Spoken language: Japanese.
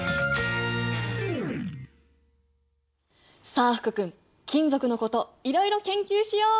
さあ福君金属のこといろいろ研究しよう！